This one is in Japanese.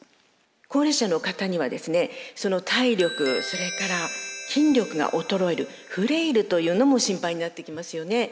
高齢者の方には体力それから筋力が衰えるフレイルというのも心配になってきますよね。